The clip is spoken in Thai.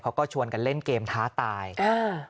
เขาก็ชวนกันเล่นเกมท้าตายอ่า